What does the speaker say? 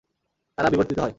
তারা বিবর্তিত হয়।